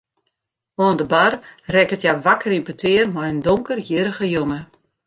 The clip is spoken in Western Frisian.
Oan de bar rekket hja wakker yn petear mei in donkerhierrige jonge.